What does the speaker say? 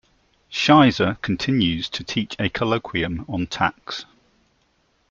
Schizer continues to teach a colloquium on tax.